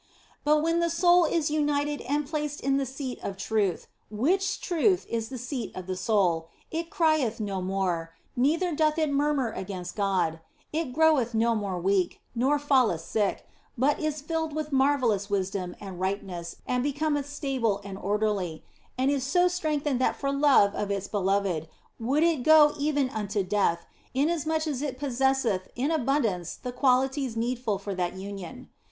But when the soul is united and placed in the seat of truth, which truth is the seat of the soul, it crieth no OF FOLIGNO 127 more, neither doth it murmur against God ; it groweth no more weak, nor falleth sick, but is filled with marvellous wisdom and ripeness and becometh stable and orderly, and is so strengthened that for love of its beloved would it go even unto death, inasmuch as it possesseth in abun dance the qualities needful for that union.